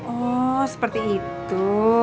oh seperti itu